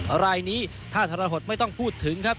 รายนี้ถ้าทรหดไม่ต้องพูดถึงครับ